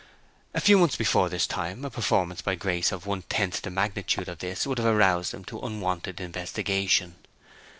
A few months before this time a performance by Grace of one tenth the magnitude of this would have aroused him to unwonted investigation.